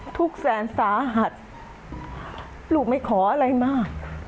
แสนสาหัสลูกไม่ขออะไรมาก